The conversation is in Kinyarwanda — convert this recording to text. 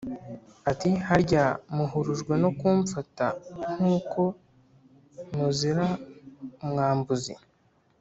ati “Harya muhurujwe no kumfata nk’uko muzira umwambuzi